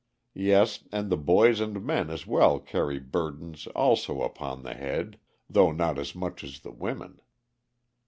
Yes, and the boys and men as well carry burdens also upon the head, though not as much as the women.